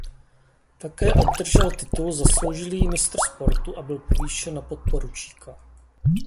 Také obdržel titul zasloužilý mistr sportu a byl povýšen na podporučíka.